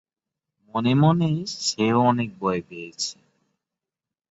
মনে মনে সেও অনেক ভয় পেয়েছে!